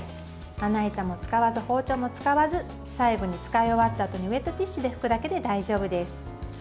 まな板も使わず、包丁も使わず最後に使い終わったあとにウエットティッシュで拭くだけで大丈夫です。